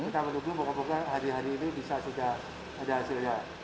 kita menunggu moga moga hari hari ini bisa sudah ada hasilnya